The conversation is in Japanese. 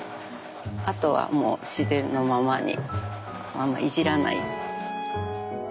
あとはもう自然のままにあんまいじらない。